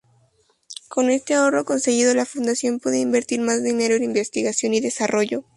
Con este ahorro conseguido, la fundación podía invertir más dinero en investigación y desarrollo.